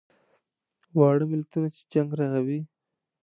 واړه ملتونه چې جنګ رغوي.